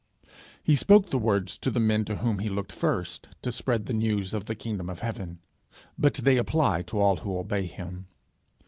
He spoke the words to the men to whom he looked first to spread the news of the kingdom of heaven; but they apply to all who obey him.